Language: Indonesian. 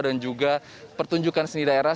dan juga pertunjukan seni daerah